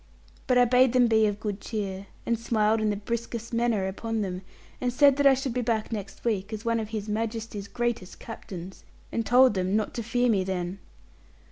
But I bade them be of good cheer, and smiled in the briskest manner upon them, and said that I should be back next week as one of His Majesty's greatest captains, and told them not to fear me then.